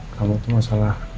kamu tuh masalah